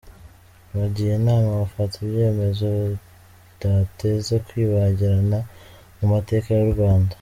Bagiye inama bafata ibyemezo bidateze kwibagirana mu mateka y’uRwanda :